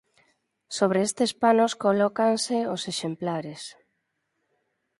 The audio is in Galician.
Sobre estes panos colócanse os exemplares.